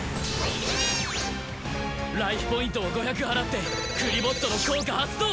ライフポイントを５００払ってクリボットの効果発動！